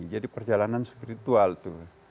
jadi perjalanan spiritual itu